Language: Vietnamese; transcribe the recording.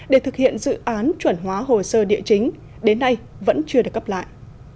để thực hiện dự án chuẩn hóa hồ sơ địa chính đến nay vẫn chưa được cấp lại